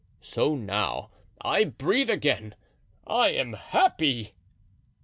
So now, I breathe again—I am happy!"